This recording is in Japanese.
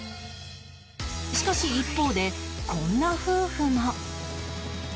しかし一方でこんな夫婦が